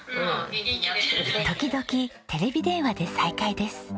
時々テレビ電話で再会です。